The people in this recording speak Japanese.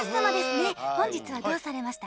本日はどうされましたか？